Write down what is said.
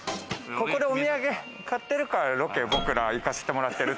ここでお土産買ってるから、ロケ、僕ら行かせてもらってる